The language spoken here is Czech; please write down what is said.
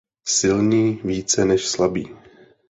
Silní více než slabí.